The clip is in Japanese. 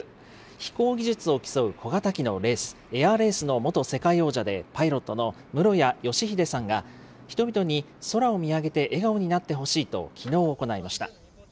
飛行技術を競う小型機のレース、エアレースの元世界王者でパイロットの室屋義秀さんが、人々に空を見上げて笑顔になってほしいと、きのう行いました。